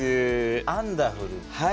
アンダフル？